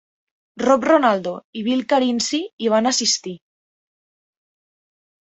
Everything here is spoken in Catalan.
Rob Ronaldo i Bill Carinci hi van assistir.